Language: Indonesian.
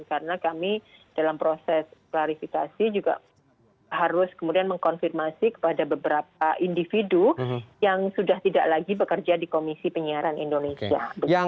karena kami dalam proses klarifikasi juga harus kemudian mengkonfirmasi kepada beberapa individu yang sudah tidak lagi bekerja di komisi penyiaran indonesia